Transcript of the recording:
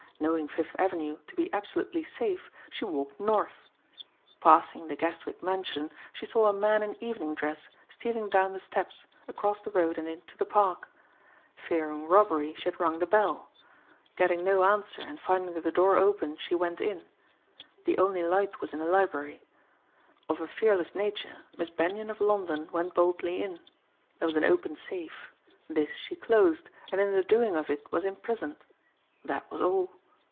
Knowing Fifth Avenue to be absolutely safe she walked North. Passing the Guestwick mansion she saw a man in evening dress stealing down the steps, across the road and into the Park. Fearing robbery she had rung the bell. Getting no answer and finding the door open she went in. The only light was in the library. Of a fearless nature, Miss Benyon of London went boldly in. There was an open safe. This she closed and in the doing of it was imprisoned. That was all.